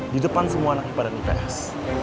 di depan semua anak ibadah dan ips